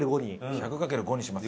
１００掛ける５にします？